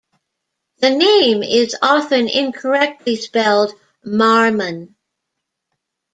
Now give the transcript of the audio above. The name is often incorrectly spelled "Marmon".